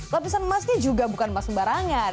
lapisan emasnya juga bukan emas sembarangan